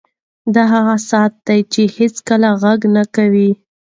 دا هغه ساعت دی چې هېڅ غږ نه کوي.